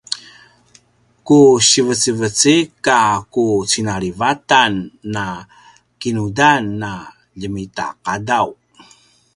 ku sivecivecik a ku cinalivatan a kinudan a ljemitaqadaw